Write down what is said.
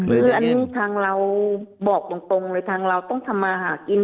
คืออันนี้ทางเราบอกตรงเลยทางเราต้องทำมาหากิน